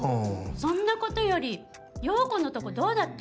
そんなことより洋子のとこどうだった？